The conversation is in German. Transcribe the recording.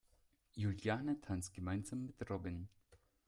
Juliane tanzt gemeinsam mit Robin.